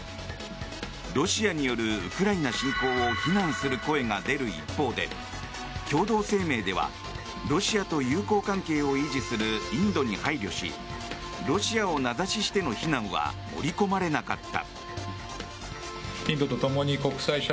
ロシアによるウクライナ侵攻を非難する声が出る一方で共同声明ではロシアと友好関係を維持するインドに配慮しロシアを名指ししての非難は盛り込まれなかった。